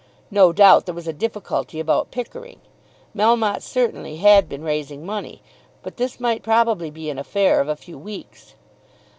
No doubt there was a difficulty about Pickering. Melmotte certainly had been raising money. But this might probably be an affair of a few weeks.